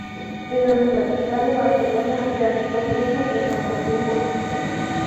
En la Universidad de Barcelona realizó cursos de formación política.